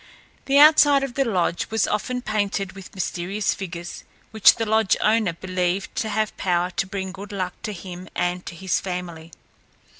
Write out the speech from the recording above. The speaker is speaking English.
The outside of the lodge was often painted with mysterious figures which the lodge owner believed to have power to bring good luck to him and to his family.